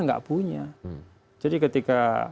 nggak punya jadi ketika